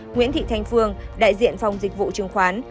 nguyễn thị thanh phương đại diện phòng dịch vụ chứng khoán